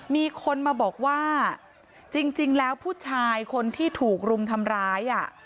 มีคนมาบอกว่าจริงแล้วผู้ชายคนที่ถูกรุมทำร้าย